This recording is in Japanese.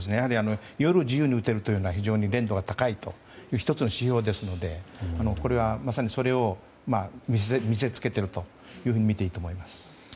夜自由に撃てるというのは連度が高いという１つの指標ですのでまさにそれを見せつけていると見ていいと思います。